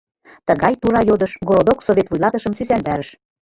Тыгай тура йодыш городок совет вуйлатышым сӱсандарыш.